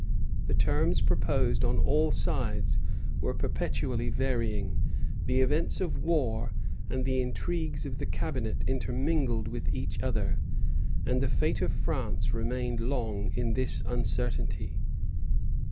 The terms proposed on all sides were perpetually varying: the events of the war and the intrigues of the cabinet intermingled with each other: and the fate of France remained long in this uncertainty.